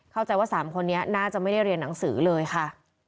เข้าใจว่า๓คนนี้น่าจะไม่ได้เรียนหนังสือเลยค่ะ